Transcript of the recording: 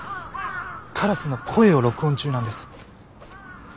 カラスの声を録音中なんです。